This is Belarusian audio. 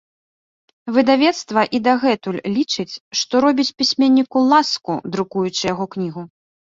Выдавецтва і дагэтуль лічыць, што робіць пісьменніку ласку, друкуючы яго кнігу.